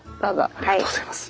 ありがとうございます。